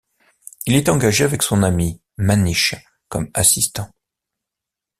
Il est engagé avec son ami, Maniche, comme assistant.